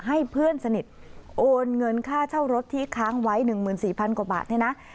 ให้เพื่อนสนิทโอนเงินค่าเช่ารถที่ค้างไว้หนึ่งหมื่นสี่พันกว่าบาทนี่น่ะ